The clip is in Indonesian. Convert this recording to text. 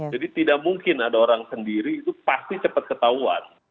jadi tidak mungkin ada orang sendiri itu pasti cepat ketahuan